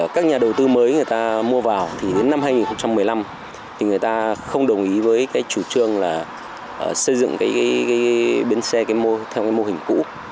các nhà đầu tư mới mua vào đến năm hai nghìn một mươi năm người ta không đồng ý với chủ trương xây dựng bến xe theo mô hình cũ